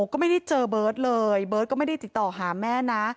ก็ไม่ได้เจอเบิร์ตเลยเบิร์ตก็ไม่ได้ติดต่อหาแม่นะ